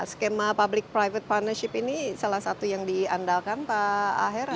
skema public private partnership ini salah satu yang diandalkan pak aher